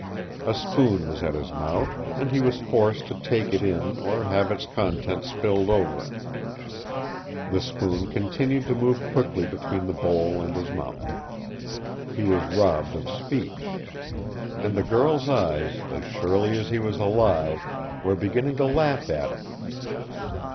A spoon was at his mouth, and he was forced to take it in or have its contents spilled over him. The spoon continued to move quickly between the bowl and his mouth. He was robbed of speech. And the girl's eyes, as surely as he was alive, were beginning to laugh at him.